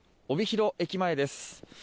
帯広駅前です。